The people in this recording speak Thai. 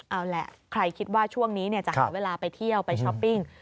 เอาล่ะใครคิดว่าช่วงนี้จะหาเวลาไปเที่ยวไปช้อปปิ้ง